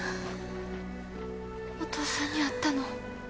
お父さんに会ったの？